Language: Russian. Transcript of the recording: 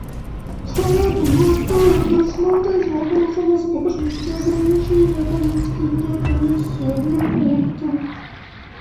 Поэтому стоит рассмотреть вопрос о возможности ограничения повестки дня Комиссии одним пунктом.